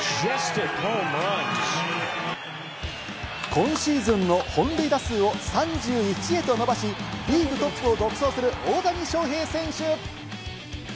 今シーズンの本塁打数を３１へと伸ばし、リーグトップを独走する大谷翔平選手。